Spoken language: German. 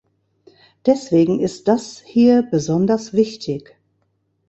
Deswegen ist das hier besonders wichtig.